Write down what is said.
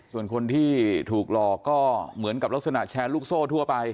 ส่วนคนที่ถูกหลอกก็เหมือนกับลักษณะแชร์ลูกโซ่ทั่วไป